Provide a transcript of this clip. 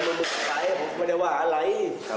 ผมก็ไม่ได้ว่าอะไร